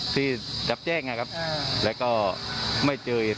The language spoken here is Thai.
โทรหลายครั้งก็โทรไม่ติด